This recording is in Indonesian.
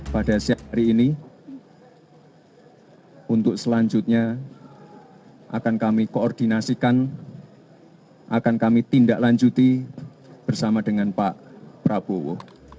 pada siang hari ini untuk selanjutnya akan kami koordinasikan akan kami tindak lanjuti bersama dengan pak prabowo